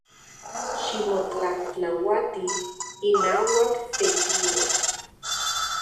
Ximotlajtlauati inauak Tekiua.